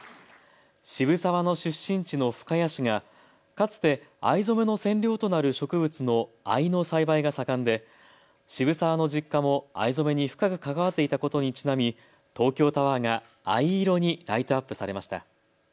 渋沢の出身地の深谷市がかつて藍染めの染料となる植物の藍の栽培が盛んで渋沢の実家も藍染めに深く関わっていたことにちなみ東京タワーが藍色にライトアップされました。